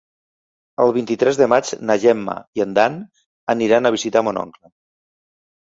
El vint-i-tres de maig na Gemma i en Dan aniran a visitar mon oncle.